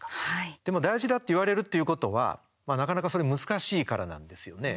でも大事だっていわれるっていうことは、なかなかそれ難しいからなんですよね。